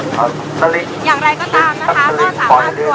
สวัสดีครับ